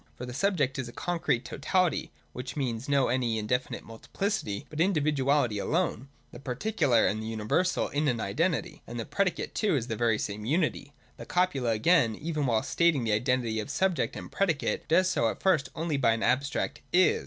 For the subject is a concrete totality, — which means not any indefinite multiplicity, but individuality alone, the particular and the universal in an identity : and the predicate too is the very same unity (§ 170). — The copula again, even while stating the identity of subject and predicate, does so at first only by an abstract 'is.'